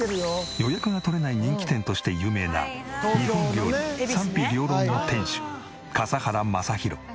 予約が取れない人気店として有名な日本料理賛否両論の店主笠原将弘。